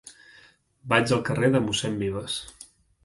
Vaig al carrer de Mossèn Vives.